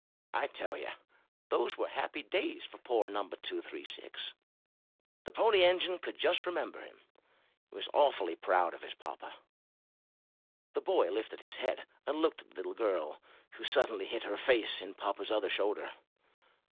I tell you, those were happy days for poor No. 236. The little Pony Engine could just remember him; it was awfully proud of its papa.*' The boy lifted his head and looked at the little girl, who suddenly hid her face in the papa's other shoulder.